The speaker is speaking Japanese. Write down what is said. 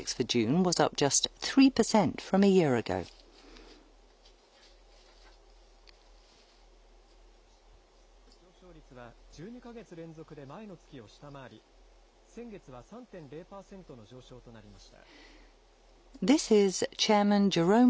消費者物価指数の上昇率は、１２か月連続で前の月を下回り、先月は３．０％の上昇となりました。